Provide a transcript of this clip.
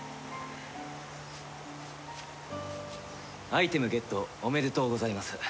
アイテムゲットおめでとうございます。